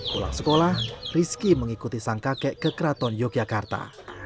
pulang sekolah rizky mengikuti sang kakek ke keraton yogyakarta